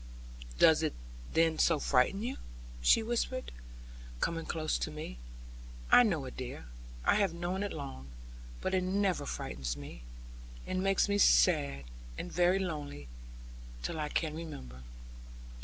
'Does it then so frighten you?' she whispered, coming close to me; 'I know it, dear; I have known it long; but it never frightens me. It makes me sad, and very lonely, till I can remember.'